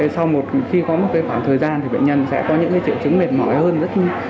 sau khi có một khoảng thời gian thì bệnh nhân sẽ có những triệu chứng mệt mỏi hơn rất nhiều